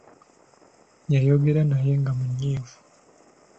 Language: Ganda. Yayogera naye nga munyiivu.